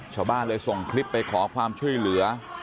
ชาวบ้านเลยส่งคลิปไปขอความช่วยเหลือ